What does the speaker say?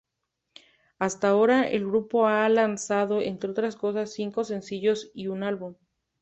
Hasta ahora, el grupo ha lanzado, entre otras cosas, cinco sencillos y un álbum.